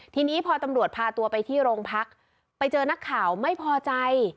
ทีนี้พอตำรวจพาตัวไปที่โรงพักไปเจอนักข่าวไม่พอใจ